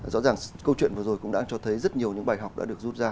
rõ ràng câu chuyện vừa rồi cũng đã cho thấy rất nhiều những bài học đã được rút ra